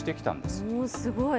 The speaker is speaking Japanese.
すごい。